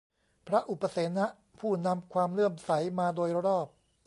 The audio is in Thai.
พระอุปเสนะ ผู้นำความเลื่อมใสมาโดยรอบ